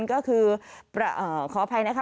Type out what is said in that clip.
ก็คือขออภัยนะคะ